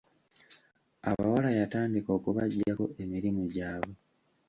Abawala yatandika okubagyako emirimu gyabwe.